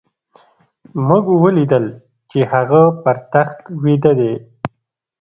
موږ وليدل چې هغه پر تخت ويده دی.